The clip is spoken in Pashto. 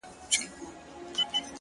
او وژاړمه-